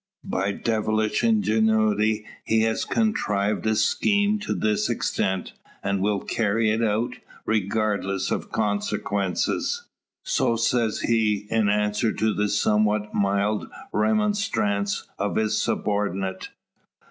By devilish ingenuity he has contrived a scheme to this intent, and will carry it out regardless of consequences. So says he, in answer to the somewhat mild remonstrance of his subordinate.